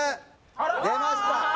出ました